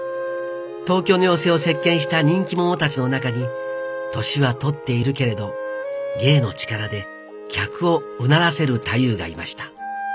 東京の寄席を席巻した人気者たちの中に年は取っているけれど芸の力で客をうならせる太夫がいました。